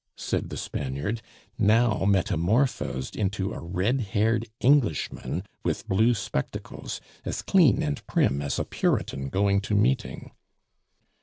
said the Spaniard, now metamorphosed into a red haired Englishman with blue spectacles, as clean and prim as a Puritan going to meeting.